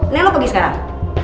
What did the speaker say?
nih lo pergi sekarang